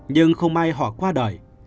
nhưng không may họ qua đời